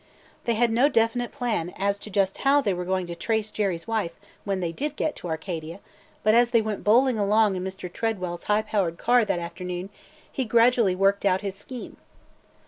They had no definite plan as to just how they were going to trace Jerry's wife when they did get to Arcadia, but as they went bowling along in Mr. Tredwell's high powered car that afternoon, he gradually worked out his scheme.